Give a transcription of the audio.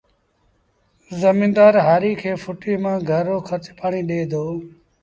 زميݩدآر هآريٚ کي ڦُٽيٚ مآݩ گھر رو کرچ پآڻيٚ ڏي دو